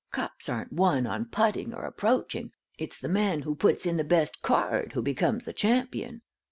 "Cups aren't won on putting or approaching. It's the man who puts in the best card who becomes the champion."